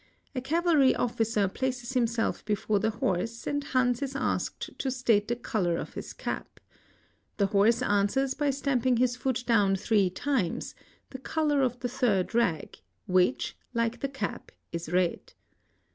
A "cavalry officer places himself before the horse and Hans is asked ito state the color of his cap. The horse answers by stamping his foot down three times, the color of the third rag. wliich.^like the cap, is red.